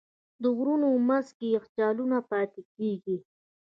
د غرونو منځ کې یخچالونه پاتې کېږي.